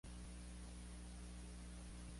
Su camiseta era azul, con una franja horizontal roja.